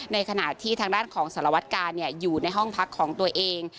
ในขณะที่ทางด้านของสารวัตกาลอยู่ในห้องพักของตัวเอง